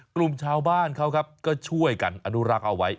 กลุ่มชาวบ้านเขาก็ช่วยกันอนุรักษ์เอาไว้